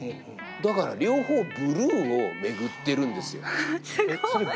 だから両方ブルーを巡ってるんですよ。